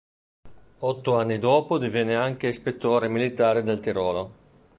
Otto anni dopo divenne anche Ispettore militare del Tirolo.